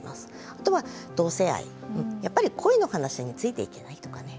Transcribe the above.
あとは同性愛やっぱり恋の話についていけないとかね